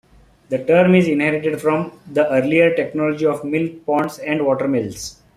The term is inherited from the earlier technology of mill ponds and watermills.